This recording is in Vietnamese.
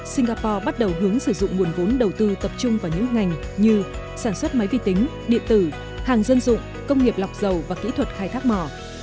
singapore bắt đầu hướng sử dụng nguồn vốn đầu tư tập trung vào những ngành như sản xuất máy vi tính điện tử hàng dân dụng công nghiệp lọc dầu và kỹ thuật khai thác mỏ